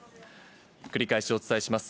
繰り返しお伝えします。